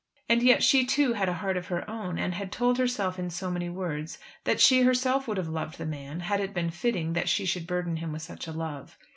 And yet she too had a heart of her own, and had told herself in so many words, that she herself would have loved the man, had it been fitting that she should burden him with such a love.